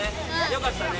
よかったね。